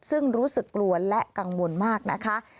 ซึ่งรู้สึกกลัวและกังวลมากนะคะ